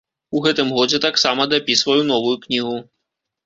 У гэтым годзе таксама дапісваю новую кнігу.